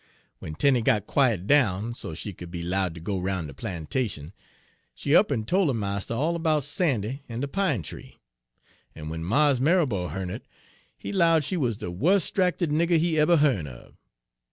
"W'en Tenie got quiet' down, so she could be 'lowed ter go 'roun' de plantation, she up'n 'tole her marster all erbout Page 57 Sandy en de pine tree; en w'en Mars Marrabo hearn it, he 'lowed she wuz de wuss 'stracted nigger he eber hearn of.